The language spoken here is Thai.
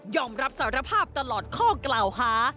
รับสารภาพตลอดข้อกล่าวหา